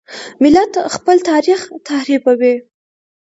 ملت خپل تاریخ تحریفوي.